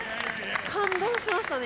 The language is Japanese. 感動しましたね